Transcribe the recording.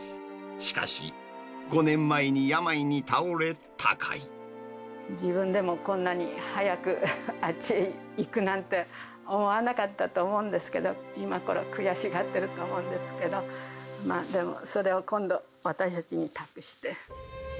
しかし、５年前に病に倒れ、自分でもこんなに早くあっちへいくなんて思わなかったと思うんですけど、今ごろ悔しがってると思うんですけど、まあでも、それを今度、私たちに託して。